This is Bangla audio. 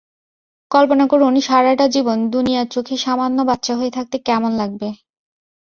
কল্পনা করুন সারাটা জীবন, দুনিয়ার চোখে সামান্য বাচ্চা হয়ে থাকতে কেমন লাগবে।